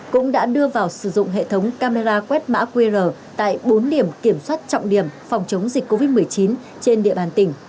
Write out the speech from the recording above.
cũng đã đưa vào sử dụng hệ thống camera quét mã qr tại bốn điểm kiểm soát trọng điểm phòng chống dịch covid một mươi chín trên địa bàn tỉnh